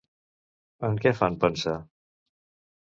En què fan pensar?